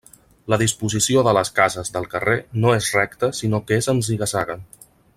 La disposició de les cases del carrer no és recta sinó que és en ziga-zaga.